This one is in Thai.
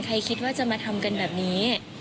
คิดว่าจะมาทำกันแบบนี้